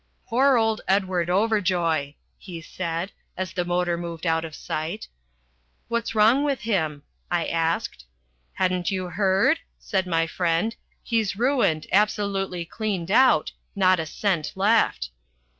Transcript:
"Poor old Edward Overjoy!" he said, as the motor moved out of sight. "What's wrong with him?" I asked. "Hadn't you heard?" said my friend. "He's ruined absolutely cleaned out not a cent left."